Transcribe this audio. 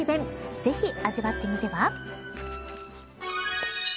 ぜひ、味わってみては。